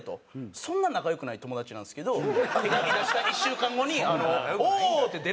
そんな仲良くない友達なんですけど手紙出した１週間後に「おおー！」って出れたんですよ。